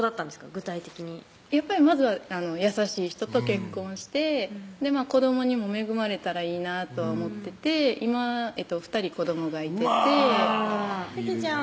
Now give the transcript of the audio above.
具体的にやっぱりまずは優しい人と結婚して子どもにも恵まれたらいいなとは思ってて今２人子どもがいててうわ